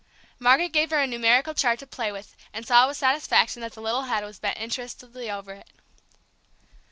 Margaret gave her a numerical chart to play with, and saw with satisfaction that the little head was bent interestedly over it.